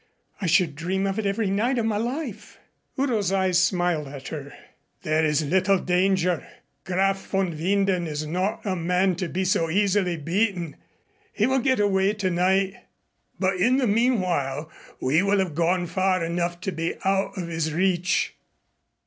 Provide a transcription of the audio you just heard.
I should dream of it every night of my life." Udo's eyes smiled at her. "There is little danger. Graf von Winden is not a man to be so easily beaten. He will get away by tonight. But in the meanwhile we will have gone far enough to be out of his reach."